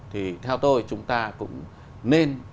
thì theo tôi chúng ta cũng nên